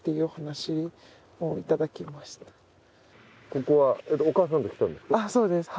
ここは、お母さんと来たんですか？